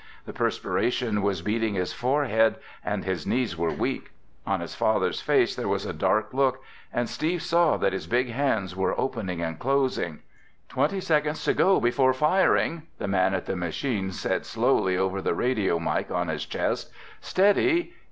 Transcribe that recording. The perspiration was beading his forehead and his knees were weak. On his father's face there was a dark look and Steve saw that his big hands were opening and closing. "Twenty seconds to go before firing," the man at the machine said slowly over the radio mike on his chest. "Steady.